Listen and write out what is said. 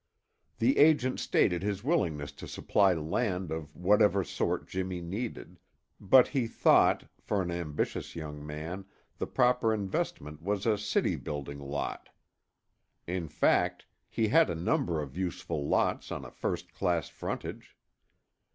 The agent stated his willingness to supply land of whatever sort Jimmy needed, but he thought, for an ambitious young man, the proper investment was a city building lot. In fact, he had a number of useful lots on a first class frontage.